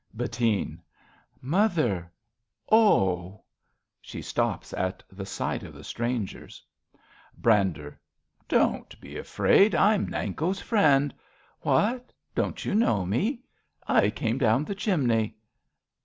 Bettine. Mother Oh ! {She stops at the sight of the strangers.) Brander. Don't be afraid. I'm Nanko's friend. What ? Don't you know me ? I came down the chimney.